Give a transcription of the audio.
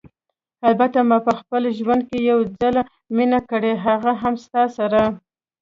البته ما په خپل ژوند کې یو ځل مینه کړې، هغه هم ستا سره.